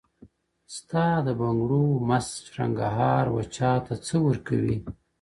ستا د بنگړو مست شرنگهار وچاته څه وركوي’